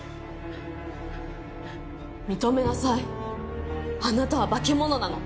認めなさいあなたは化け物なの。